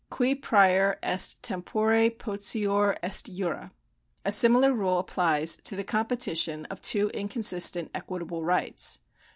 Qui prior est tempore potior est jure. A similar rule applies to the competition of two inconsistent equitable rights.